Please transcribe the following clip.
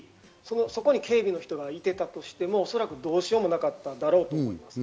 そこに警備の人がいたとしても、おそらくどうしようもなかっただろうと。